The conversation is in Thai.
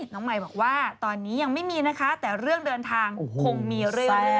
น้องมายบอกว่าตอนนี้ยังไม่มีนะคะแต่เรื่องเดินทางคงมีเรื่อย